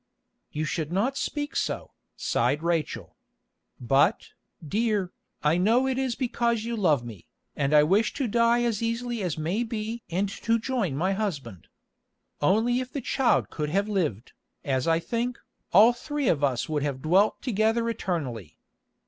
"You should not speak so," sighed Rachel. "But, dear, I know it is because you love me, and I wish to die as easily as may be and to join my husband. Only if the child could have lived, as I think, all three of us would have dwelt together eternally.